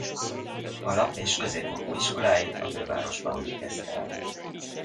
Alap- és középfokú iskoláit a fővárosban végezte el.